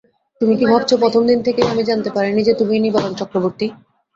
তুমি কি ভাবছ প্রথম দিন থেকেই আমি জানতে পারি নি যে তুমিই নিবারণ চক্রবর্তী।